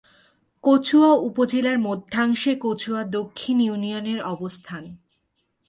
কচুয়া উপজেলার মধ্যাংশে কচুয়া দক্ষিণ ইউনিয়নের অবস্থান।